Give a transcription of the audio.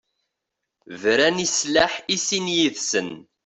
Bran i slaḥ i sin yid-sen.